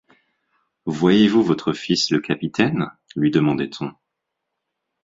Voyez-vous votre fils le capitaine ? lui demandait-on.